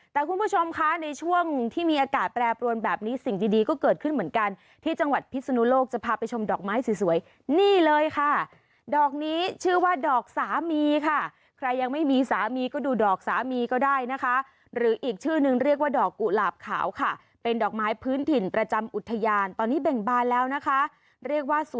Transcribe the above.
แต่คุณผู้ชมคะในช่วงที่มีอากาศแปรปรวนแบบนี้สิ่งดีก็เกิดขึ้นเหมือนกันที่จังหวัดพิศนุโลกจะพาไปชมดอกไม้สวยนี่เลยค่ะดอกนี้ชื่อว่าดอกสามีค่ะใครยังไม่มีสามีก็ดูดอกสามีก็ได้นะคะหรืออีกชื่อนึงเรียกว่าดอกกุหลาบขาวค่ะเป็นดอกไม้พื้นถิ่นประจำอุทยานตอนนี้เบ่งบานแล้วนะคะเรียกว่าส